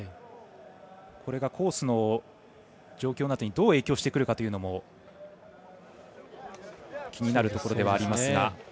これがコースの状況などにどう影響してくるかというのも気になるところではありますが。